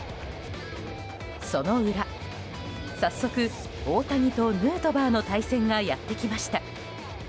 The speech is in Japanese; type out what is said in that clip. その裏、早速大谷とヌートバーの対戦がやってきました。